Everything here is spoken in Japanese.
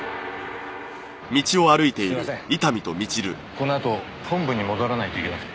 このあと本部に戻らないといけなくて。